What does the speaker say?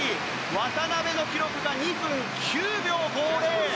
渡辺の記録が２分９秒５０。